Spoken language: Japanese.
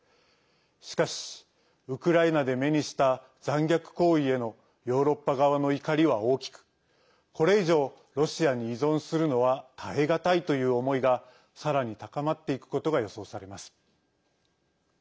しかし、ウクライナで目にした残虐行為へのヨーロッパ側の怒りは大きくこれ以上、ロシアに依存するのは耐え難いという思いがさらに高まっていくことが予想されます。